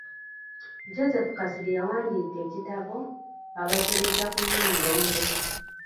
Joseph Kasirye yawandiika ekitabo “Abateregga ku Nnamulondo".